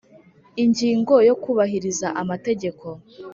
Ingingo ya kubahiriza amategeko